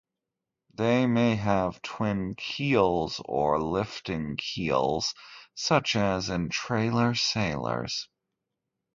They may have twin keels or lifting keels such as in trailer sailers.